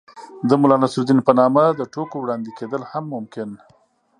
د ملا نصر الدين په نامه د ټوکو وړاندې کېدل هم ممکن